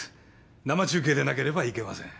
生中継でなければいけません。